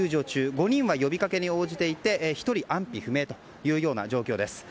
５人は呼び掛けに応じていて１人が安否不明という状況です。